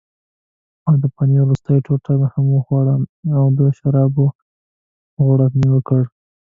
ما د پنیر وروستۍ ټوټه هم وخوړه او د شرابو یو غوړپ مې وکړ.